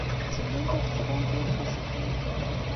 Tteddunt ad d-qḍunt yal taṣebḥit.